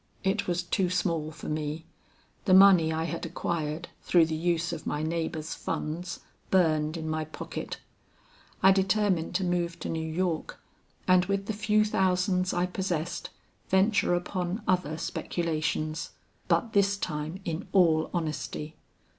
It was too small for me. The money I had acquired through the use of my neighbor's funds burned in my pocket. I determined to move to New York, and with the few thousands I possessed, venture upon other speculations. But this time in all honesty.